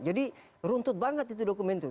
jadi runtut banget itu dokumen itu